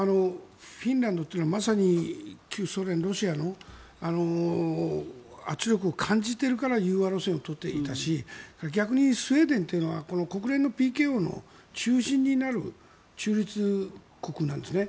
フィンランドというのはまさに旧ソ連、ロシアの圧力を感じているから融和路線を取っていたし逆にスウェーデンは国連のＰＫＯの中心になる中立国なんですね。